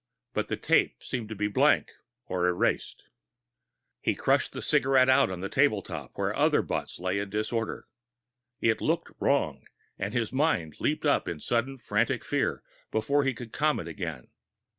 But the tape seemed to be blank, or erased. He crushed the cigarette out on a table top where other butts lay in disorder. It looked wrong, and his mind leaped up in sudden frantic fear, before he could calm it again.